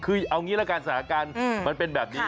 คือเอาอย่างนี้แล้วสถานการณ์เป็นแบบนี้